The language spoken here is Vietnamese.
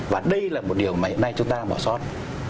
và đây là một điều mà hiện nay chúng ta bỏ sót